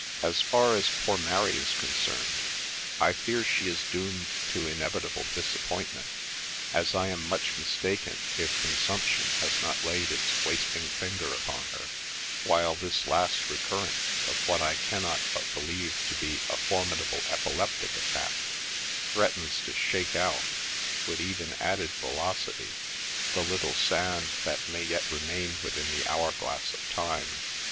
As far as poor Mary is concerned, I fear she is doomed to inevitable disappointment, as I am much mistaken if consumption has not laid its wasting finger upon her ; while this last recurrence, of what I cannot but believe to be a formidable epileptic attack, threatens to shake out, with even added velocity the little sand that may yet remain within the hour glass of time.